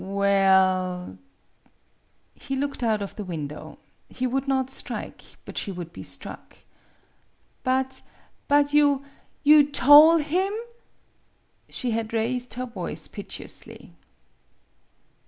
"Well " He looked out of the window. He would not strike, but she would be struck. " But you you tole him ?" She had raised her voice piteously.